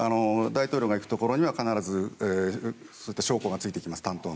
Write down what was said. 大統領が行くところには必ず将校がついてきます。